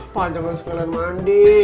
apaan jangan sekalian mandi